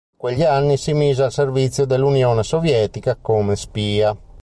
In quegli anni si mise al servizio dell'Unione sovietica come spia.